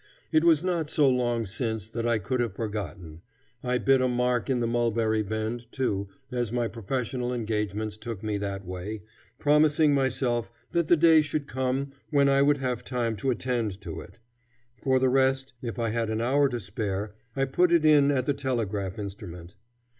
It was not so long since that I could have forgotten. I bit a mark in the Mulberry Bend, too, as my professional engagements took me that way, promising myself that the day should come when I would have time to attend to it. For the rest, if I had an hour to spare, I put it in at the telegraph instrument.